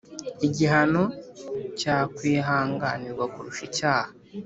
Igihano cyakwihanganirwa kurusha icyaha.